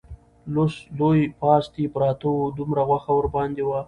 لوی پاستي پراته وو، دومره غوښه ورباندې وه